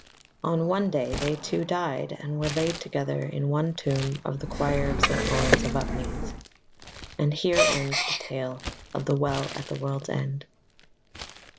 On one day they two died and were laid together in one tomb in the choir of St. Laurence of Upmeads. AND HERE ENDS THE TALE OF THE WELL AT THE WORLD'S END.